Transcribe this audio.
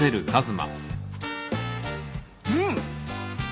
うん！